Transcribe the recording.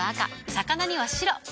魚には白。